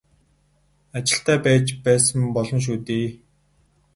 Ажилтай байж байсан болно шүү дээ.